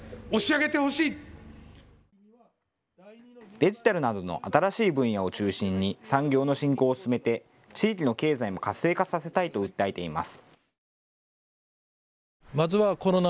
デジタルなどの新しい分野を中心に産業の振興を進めて、地域の経済も活性化させたいと訴えています。